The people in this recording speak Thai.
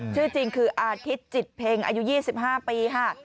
ชื่อจริงคืออาทิตย์จิตเพ็งอายุ๒๕ปีค่ะ